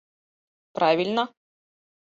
«Правильно...»